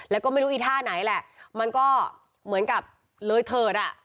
แล้วก็ไม่รู้อีท่าไหนแหละมันก็เหมือนกับเลยเถิดอ่ะ